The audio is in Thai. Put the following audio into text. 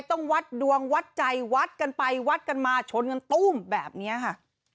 ต้องวัดดวงวัดใจวัดกันไปวัดกันมาชนกันตุ้มแบบนี้ค่ะ